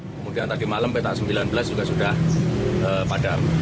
kemudian tadi malam petak sembilan belas juga sudah padam